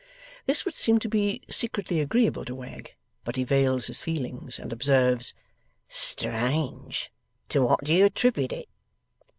This would seem to be secretly agreeable to Wegg, but he veils his feelings, and observes, 'Strange. To what do you attribute it?